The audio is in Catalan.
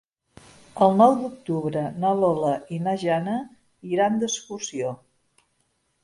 El nou d'octubre na Lola i na Jana iran d'excursió.